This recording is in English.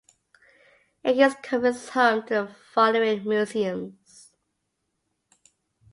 Egeskov is home to the following museums.